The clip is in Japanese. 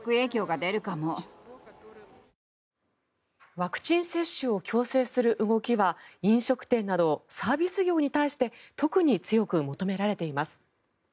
ワクチン接種を強制する動きは飲食店などサービス業に対して特に強く求められています。